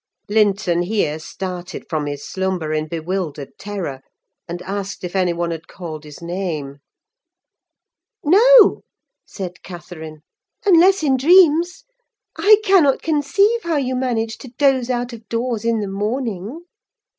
Linton here started from his slumber in bewildered terror, and asked if any one had called his name. "No," said Catherine; "unless in dreams. I cannot conceive how you manage to doze out of doors, in the morning."